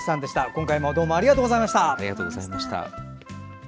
今回もどうもありがとうございました。